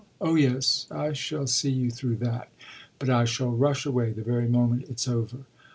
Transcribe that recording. "Oh yes, I shall see you through that. But I shall rush away the very moment it's over."